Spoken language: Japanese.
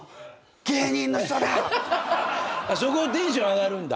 そこテンション上がるんだ。